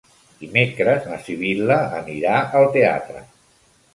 Dimecres na Sibil·la anirà al teatre.